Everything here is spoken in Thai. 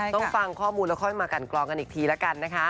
ต้องฟังข้อมูลแล้วค่อยมากันกรองกันอีกทีละกันนะคะ